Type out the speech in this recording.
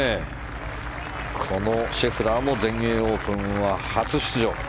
シェフラーも全英オープンは初出場。